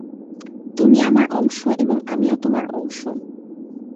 তুমি আমার অংশ, এবং আমিও তোমার অংশ।